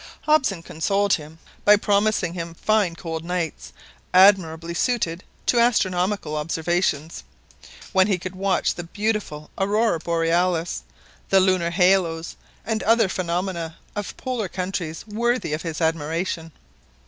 Hobson consoled him by promising him fine cold nights admirably suited to astronomical observations, when he could watch the beautiful Aurora Borealis, the lunar halos, and other phenomena of Polar countries worthy even of his admiration.